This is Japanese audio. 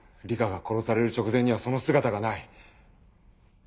里香が殺される直前にはその姿がない。